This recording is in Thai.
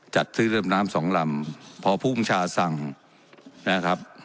จัดซื้อเริ่มน้ำสองลำพอภูมิชาสั่งนะครับ